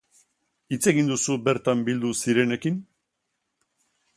Hitz egin duzu bertan bildu zirenekin?